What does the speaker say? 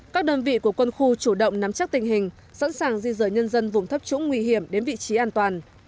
các đơn vị của quân khu chủ động nắm chắc tình hình sẵn sàng di rời nhân dân vùng thấp trũng nguy hiểm đến vị trí an toàn